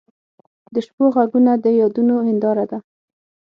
د شپو ږغونه د یادونو هنداره ده.